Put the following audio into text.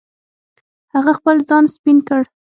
هغه خپل ځان سپین کړ.